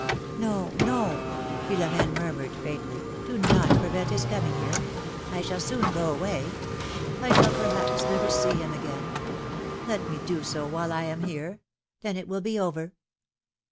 '^ '^No, no,^^ Philom^ne murmured faintly, do not pre vent his coming here; I shall soon go away; I shall perhaps never see him again; let me do so while I am here : then it will be over